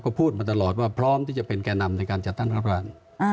ก็พูดมาตลอดว่าพร้อมที่จะเป็นแก่นำในการจัดตั้งรัฐบาล